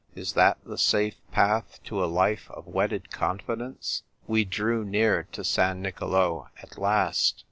Is that the safe path to a life of wedded confidence ? We drew near to San Nicolo at last.